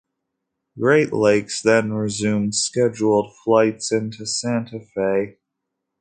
Great Lakes then resumed scheduled flights into Santa Fe.